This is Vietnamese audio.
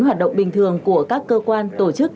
hoạt động bình thường của các cơ quan tổ chức